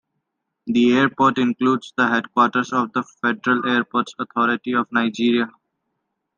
The airport includes the headquarters of the Federal Airports Authority of Nigeria.